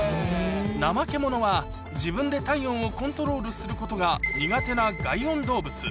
ナマケモノは、自分で体温をコントロールすることが苦手な外温動物。